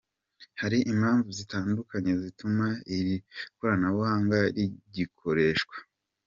Hari impamvu zitandukanye zituma iri koranabuhanga rigikoreshwa.